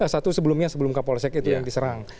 satu sebelumnya sebelum kapolsek itu yang diserang